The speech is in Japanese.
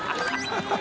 ハハハ